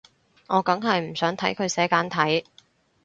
我梗係唔想睇佢寫簡體